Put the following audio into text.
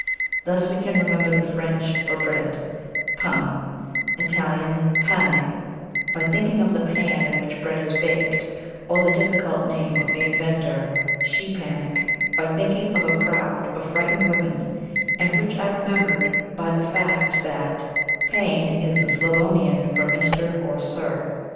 Thus, we can remember the French for bread, pain, Italian Pane, by thinking of the pan in which bread is baked, or the difficult name of the inventor, SSCZEPANIK (pronounced nearly she panic) by thinking of a crowd of frightened women, and which I remembered by the fact that pane is the Slavonian for Mr. or Sir.